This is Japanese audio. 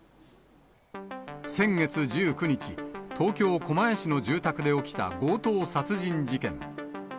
先月１９日、東京・狛江市の住宅で起きた強盗殺人事件。